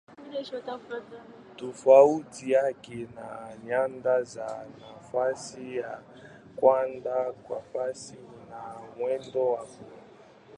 Tofauti yake na nyanda za nafasi ni ya kwamba wakati una mwendo na mwelekeo.